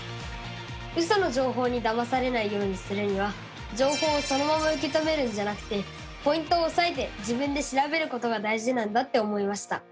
ウソの情報にだまされないようにするには情報をそのまま受け止めるんじゃなくてポイントをおさえて自分で調べることが大事なんだって思いました！